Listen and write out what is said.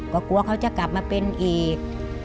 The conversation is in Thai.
ก็กลัวเขาจะกลับมาเป็นอีก